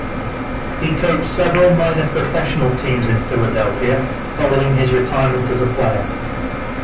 He coached several minor professional teams in Philadelphia following his retirement as a player.